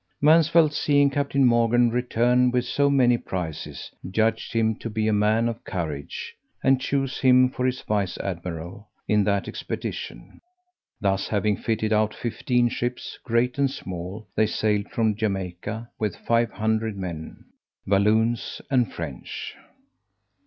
Mansvelt seeing Captain Morgan return with so many prizes, judged him to be a man of courage, and chose him for his vice admiral in that expedition: thus having fitted out fifteen ships, great and small, they sailed from Jamaica with five hundred men, Walloons and French.